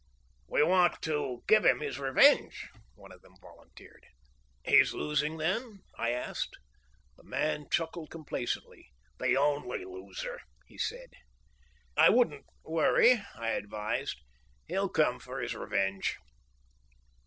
"We want to give him his revenge," one of them volunteered. "He's losing, then?" I asked. The man chuckled complacently. "The only loser," he said. "I wouldn't worry," I advised. "He'll come for his revenge."